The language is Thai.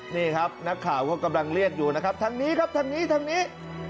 นี่ครับนักข่าวก็กำลังเรียกอยู่นะครับทางนี้ครับทางนี้ทางนี้